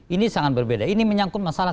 ini sangat berbeda ini menyangkut masalah